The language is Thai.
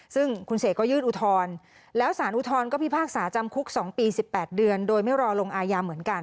ซึ่งคุณเสกก็ยื่นอุทธรณ์แล้วสารอุทธรณ์ก็พิพากษาจำคุก๒ปี๑๘เดือนโดยไม่รอลงอายาเหมือนกัน